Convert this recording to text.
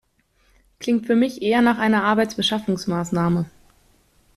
Klingt für mich eher nach einer Arbeitsbeschaffungsmaßnahme.